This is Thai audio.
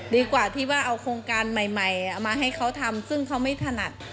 ดีกว่าที่ว่าเอาโครงการใหม่เอามาให้เขาทำซึ่งเขาไม่ถนัด